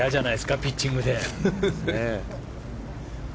ピッチングで。